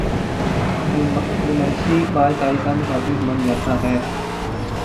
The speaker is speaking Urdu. نمائشی پارسائی کا محافظ بن جاتا ہے۔